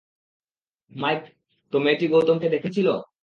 Mic, তো মেয়েটি গৌতমকে দেখেছিল।